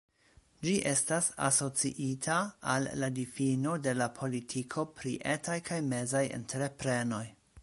Ĝi estas asociita al la difino de la politiko pri etaj kaj mezaj entreprenoj.